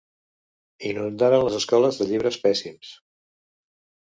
Inundaren les escoles de llibres pèssims.